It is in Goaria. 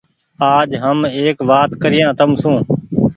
آج هم ايڪ وآت ڪريآن تم سون ۔